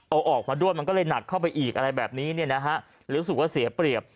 เอาออกมาด้วยมันก็เลยหนักเข้าไปอีกอะไรแบบนี้เนี่ยนะฮะรู้สึกว่าเสียเปรียบ